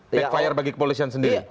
backfire bagi kepolisian sendiri